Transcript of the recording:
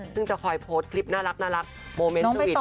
ซึ่งจะคอยโพสต์คลิปน่ารักโมเมนต์สวีท